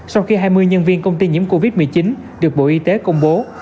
sau khi hai mươi nhân viên công ty nhiễm covid một mươi chín được bộ y tế công bố